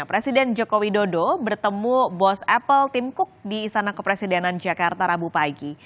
presiden joko widodo bertemu bos apple tim cook di istana kepresidenan jakarta rabu pagi